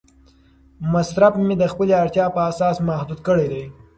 مصرف مې د خپلې اړتیا په اساس محدود کړی دی.